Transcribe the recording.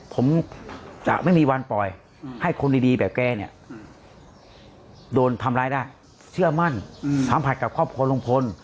ผมจะไม่มีวันปล่อยให้คนดีแบบแกเนี่ยโดนทำร้ายได้เชื่อมั่นสัมผัสกับครอบครัวลุงพล